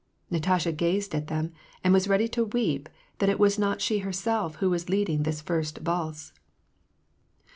Natasha gazed at them, and was ready to weep that it was not she herself who was leading this first valse.